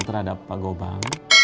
pada pak gobang